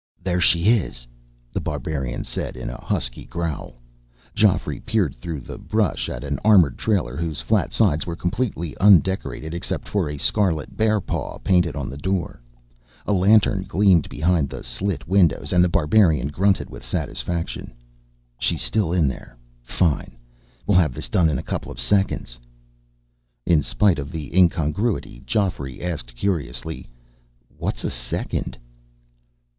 "There she is," The Barbarian said in a husky growl. Geoffrey peered through the brush at an armored trailer whose flat sides were completely undecorated except for a scarlet bearpaw painted on the door. A lantern gleamed behind the slit windows, and The Barbarian grunted with satisfaction. "She's still in there. Fine. We'll have this done in a couple of seconds." In spite of the incongruity, Geoffrey asked curiously: "What's a second?"